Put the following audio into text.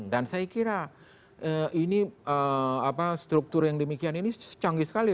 saya kira ini struktur yang demikian ini canggih sekali